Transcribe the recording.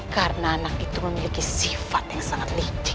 karena anak itu memiliki sifat yang sangat licik